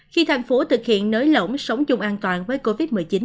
khi thành phố thực hiện nới lỏng sống chung an toàn với covid một mươi chín